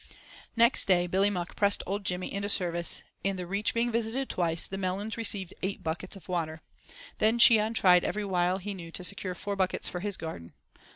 Next day Billy Muck pressed old Jimmy into the service and, the Reach being visited twice, the melons received eight buckets of water Then Cheon tried every wile he knew to secure four buckets for his garden.